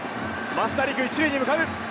増田陸、１塁に向かう。